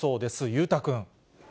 裕太君。